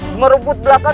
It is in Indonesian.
cuma rumput belakang gizanak